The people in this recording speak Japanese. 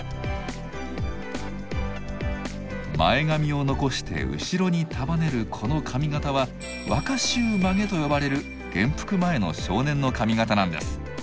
前髪を残して後ろに束ねるこの髪型は若衆髷と呼ばれる元服前の少年の髪型なんです。